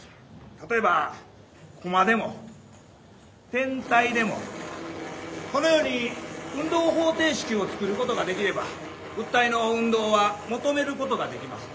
例えばコマでも天体でもこのように運動方程式を作ることができれば物体の運動は求めることができます。